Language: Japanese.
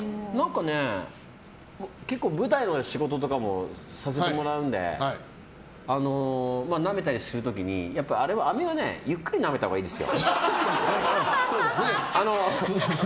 結構、舞台の仕事とかもさせてもらうのでなめたりする時に、アメはゆっくりなめたほうがいいんですよ。